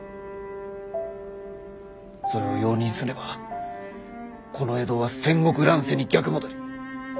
それを容認すればこの江戸は戦国乱世に逆戻り。